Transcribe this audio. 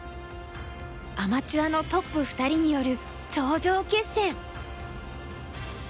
アマチュアのトップ２人による頂上決戦！